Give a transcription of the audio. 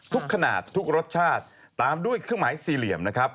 ทุกขนาดทุกรสชาติตามด้วยเครื่องหมายสี่เหลี่ยมนะครับ